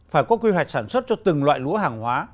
phải có quy hoạch sản xuất cho từng loại lúa hàng hóa